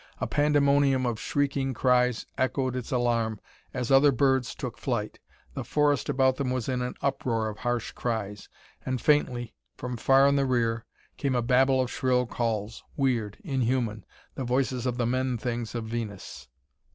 A pandemonium of shrieking cries echoed its alarm as other birds took flight; the forest about them was in an uproar of harsh cries. And faintly, from far in the rear, came a babel of shrill calls weird, inhuman! the voices of the men things of Venus.